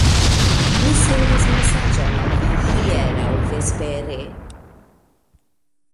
Mi sendis mesaĝon al vi hieraŭ vespere.